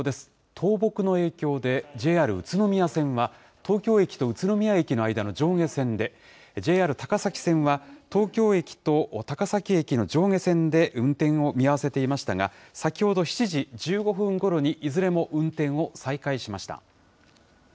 倒木の影響で、ＪＲ宇都宮線は東京駅と宇都宮駅の間の上下線で、ＪＲ高崎線は東京駅と高崎駅の上下線で運転を見合わせていましたが、先ほど７時１５分ごろに、いずれも運転を再開しました。